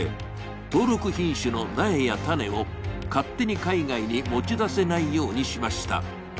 登録品種の苗や種を勝手に海外に持ち出せないようにしました。